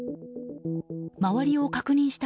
周りを確認した